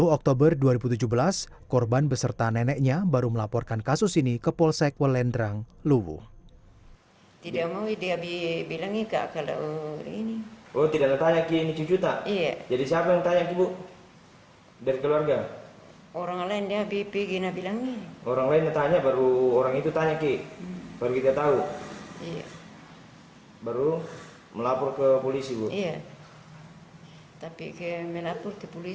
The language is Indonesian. sepuluh oktober dua ribu tujuh belas korban beserta neneknya baru melaporkan kasus ini ke polsek welendrang lubu